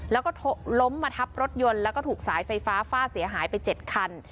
แล้วก็ล้มมาทับรถยนต์แล้วก็ถูกสายไฟฟ้าฟาดเสียหายไป๗คัน